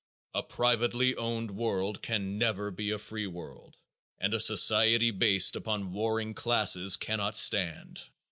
A privately owned world can never be a free world and a society based upon warring classes cannot stand.